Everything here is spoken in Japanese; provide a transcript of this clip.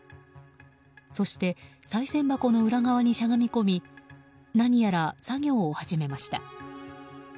そしてさい銭箱の裏側にしゃがみ込み何やら作業を始めました。